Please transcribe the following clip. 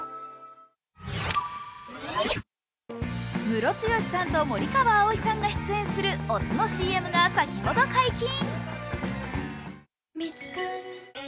ムロツヨシさんと森川葵さんが出演するお酢のＣＭが先ほど解禁。